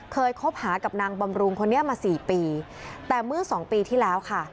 คบหากับนางบำรุงคนนี้มาสี่ปีแต่เมื่อสองปีที่แล้วค่ะ